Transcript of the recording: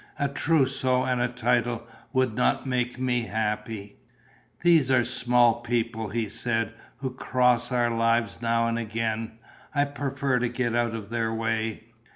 A trousseau and a title would not make me happy." "These are the small people," he said, "who cross our lives now and again. I prefer to get out of their way."